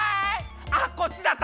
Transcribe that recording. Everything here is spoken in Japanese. あっこっちだった！